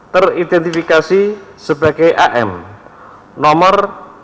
teridentifikasi sebagai am nomor tujuh puluh empat